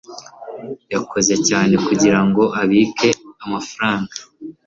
yakoze cyane kugirango abike amafaranga